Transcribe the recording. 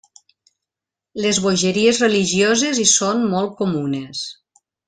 Les bogeries religioses hi són molt comunes.